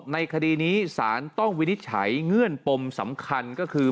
ในคดีนี้สารต้องวินิจฉัยเงื่อนปมสำคัญก็คือ